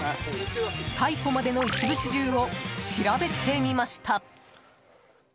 逮捕までの一部始終を調べてみました。